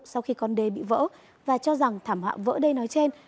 sau khi con đê bị vỡ và cho rằng thảm họa vỡ đê nói trên